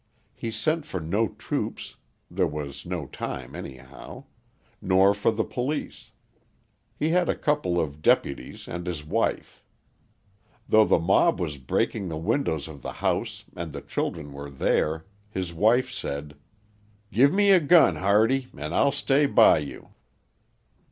He sent for no troops there was no time anyhow nor for the police. He had a couple of deputies and his wife. Though the mob was breaking the windows of the house and the children were there, his wife said: "Give me a gun, Hardy, and I'll stay by you."